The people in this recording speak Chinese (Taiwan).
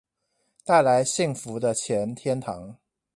帶來幸福的錢天堂